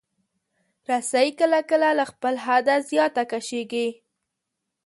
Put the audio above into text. رسۍ کله کله له خپل حده زیات کشېږي.